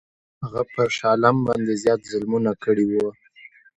هغه پر شاه عالم باندي زیات ظلمونه کړي وه.